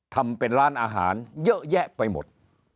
ทำเป็นร้านอาหารเยอะแยะไปหมด